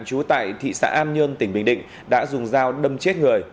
chú tại thị xã an nhơn tỉnh bình định đã dùng dao đâm chết người